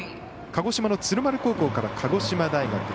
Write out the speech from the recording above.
鹿児島の鶴丸高校から鹿児島大学。